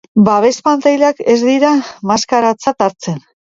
Babes-pantailak ez dira maskaratzat hartzen.